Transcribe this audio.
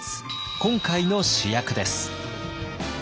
今回の主役です。